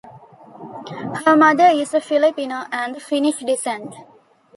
Her mother is of Filipino and Finnish descent.